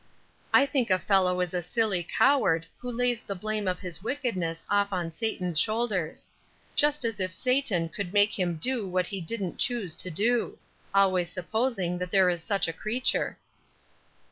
"I think a fellow is a silly coward who lays the blame of his wickedness off on Satan's shoulders; just as if Satan could make him do what he didn't choose to do! always supposing that there is such a creature."